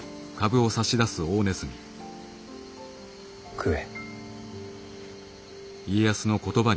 食え。